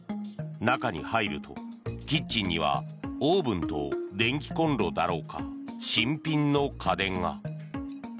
中に入ると、キッチンにはオーブンと電気コンロだろうか新品の家電が。